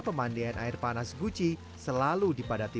pemandian air panas guci selalu dipadati